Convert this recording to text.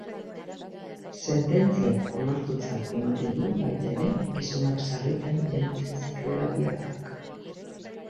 Sententziak onartutzat ematen du baita ere, gizonak sarritan iraintzen zituela bi alabak.